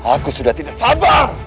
aku sudah tidak sabar